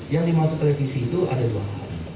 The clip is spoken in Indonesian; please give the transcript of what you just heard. yang dimaksud revisi itu ada dua hal